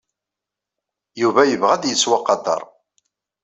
Yuba yebɣa ad yettwaqader.